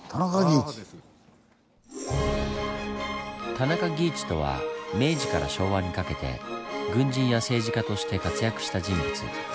田中義一とは明治から昭和にかけて軍人や政治家として活躍した人物。